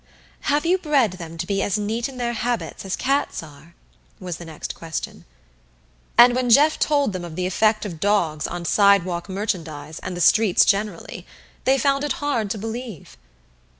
"Have you bred them to be as neat in their habits as cats are?" was the next question. And when Jeff told them of the effect of dogs on sidewalk merchandise and the streets generally, they found it hard to believe.